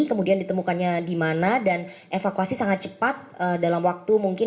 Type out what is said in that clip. kemudian ditemukannya di mana dan evakuasi sangat cepat dalam waktu mungkin